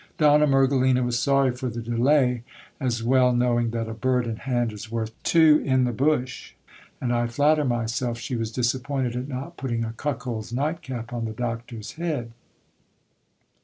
Donna Merge lina was sorry for the delay, as well knowing that a bird in hand is worth two in the bush ; and I flatter myself she was disappointed at not putting a cuckold's nightcap on the doctor's head.